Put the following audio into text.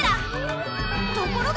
ところが！